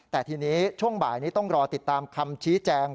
แต่ทีนี้ช่วงบ่ายนี้ต้องรอติดตามคำชี้แจง